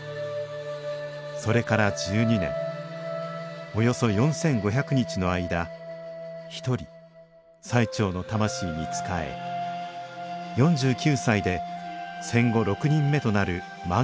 それから１２年およそ４５００日の間一人最澄の魂に仕え４９歳で戦後６人目となる満行者となりました。